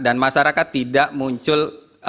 dan masyarakat tidak muncul